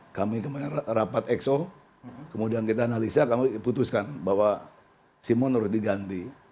tidak ada kemajuan di tim kita sehingga kami rapat exo kemudian kita analisa kami putuskan bahwa simon harus diganti